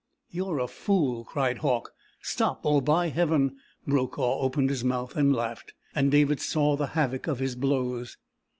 "You're a fool!" cried Hauck. "Stop, or by Heaven!..." Brokaw opened his mouth and laughed, and David saw the havoc of his blows.